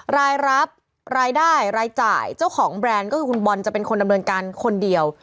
รายรับรายได้รายจ่ายเจ้าของแบรนด์ก็คือคุณบอลจะเป็นคนดำเนินการคนเดียว